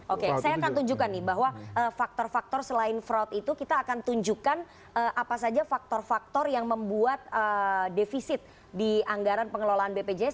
oke saya akan tunjukkan nih bahwa faktor faktor selain fraud itu kita akan tunjukkan apa saja faktor faktor yang membuat defisit di anggaran pengelolaan bpjs